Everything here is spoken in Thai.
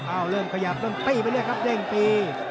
เริ่มขยับเริ่มตี้ไปเรื่อยครับเด้งตี